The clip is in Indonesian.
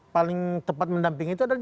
paling tepat mendampingi itu adalah